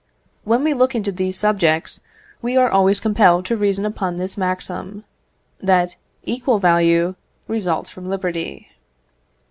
When we look into these subjects, we are always compelled to reason upon this maxim, that equal value results from liberty.